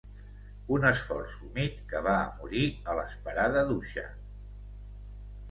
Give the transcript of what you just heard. Un esforç humit que va a morir a l'esperada dutxa.